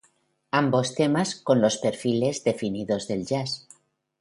Ambos temas con los perfiles definidos del jazz.